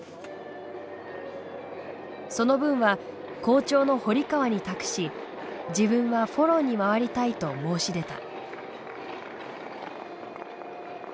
その分は好調の堀川に託し自分はフォローにまわりたいと申し出た。